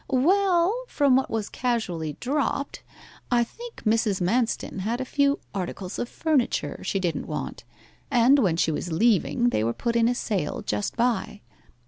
'Well, from what was casually dropped, I think Mrs. Manston had a few articles of furniture she didn't want, and when she was leaving they were put in a sale just by.